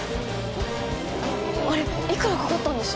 ・おあれいくらかかったんです！？